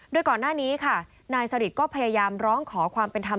โดยก่อนหน้านี้ค่ะนายสริทก็พยายามร้องขอความเป็นธรรม